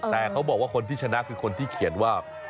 แต่เขาบอกว่าคนที่ชนะคือคนที่เขียนว่า